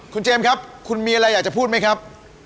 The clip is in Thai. คุณเจมส์ครับคุณมีอะไรอยากจะพูดไหมครับ